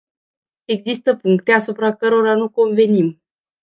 Există puncte asupra cărora nu convenim.